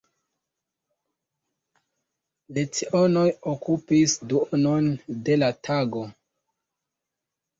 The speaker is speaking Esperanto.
Lecionoj okupis duonon de la tago.